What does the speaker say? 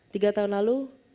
tiga tahun lalu